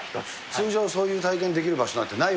通常そういう体験できる場所